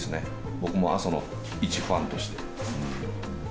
僕も阿蘇のいちファンとして。